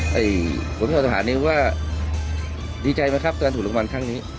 เฮ้ยผู้ชายอาจารย์นี้ว่าดีใจไหมครับการถูกรับรางวัลทั้งนี้